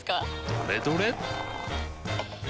どれどれっ！